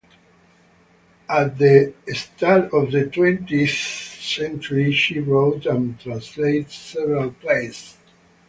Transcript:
At the start of the twentieth century she wrote and translated several plays.